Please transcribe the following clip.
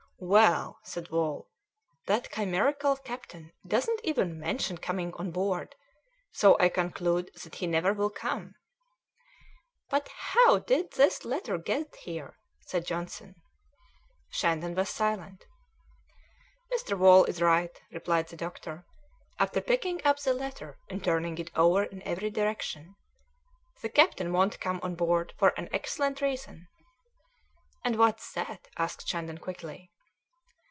"Well," said Wall, "this chimerical captain doesn't even mention coming on board, so I conclude that he never will come." "But how did this letter get here?" said Johnson. Shandon was silent. "Mr. Wall is right," replied the doctor, after picking up the letter and turning it over in every direction; "the captain won't come on board for an excellent reason " "And what's that?" asked Shandon quickly.